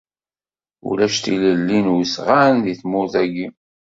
Ulac tilelli n usɣan deg tmurt-agi.